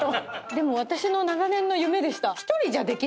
でも私の長年の夢でした。